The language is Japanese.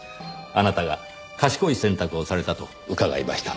あなたが賢い選択をされたと伺いました。